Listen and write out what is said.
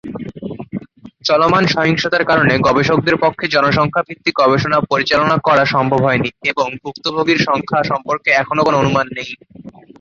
চলমান সহিংসতার কারণে গবেষকদের পক্ষে জনসংখ্যা ভিত্তিক গবেষণা পরিচালনা করা সম্ভব হয়নি এবং ভুক্তভোগীর সংখ্যা সম্পর্কে এখনও কোন অনুমান নেই।